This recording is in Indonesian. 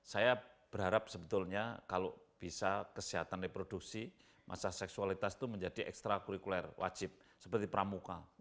saya berharap sebetulnya kalau bisa kesehatan reproduksi masa seksualitas itu menjadi ekstra kurikuler wajib seperti pramuka